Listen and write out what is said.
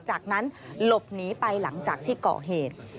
จากนั้นหลบหนีไปหลังจากที่เกาะเหตุ